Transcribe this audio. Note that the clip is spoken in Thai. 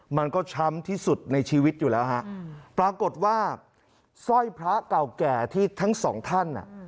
มันก็ช้ำที่สุดในชีวิตอยู่แล้วฮะปรากฏว่าสร้อยพระเก่าแก่ที่ทั้งสองท่านอ่ะ